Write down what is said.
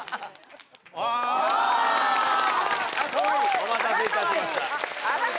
お待たせいたしました。